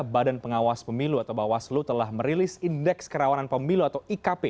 badan pengawas pemilu atau bawaslu telah merilis indeks kerawanan pemilu atau ikp